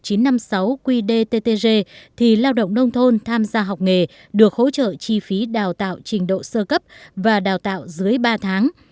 theo quyết định số một nghìn chín trăm năm mươi sáu qdttg thì lao động nông thôn tham gia học nghề được hỗ trợ chi phí đào tạo trình độ sơ cấp và đào tạo dưới ba tháng